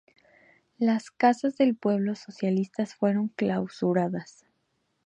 Las "Casas del Pueblo" socialistas fueron clausuradas.